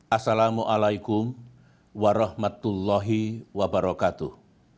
assalamu'alaikum warahmatullahi wabarakatuh